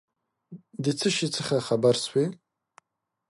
د څه شي څخه خبر سوې ؟